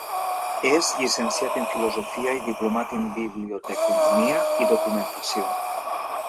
És llicenciat en filosofia i diplomat en biblioteconomia i documentació.